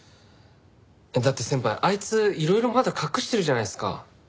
だって先輩あいついろいろまだ隠してるじゃないっすか。